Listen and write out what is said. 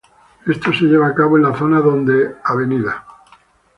Esta se lleva a cabo en la zona donde "Av.